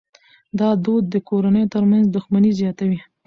دا دود د کورنیو ترمنځ دښمني زیاتوي.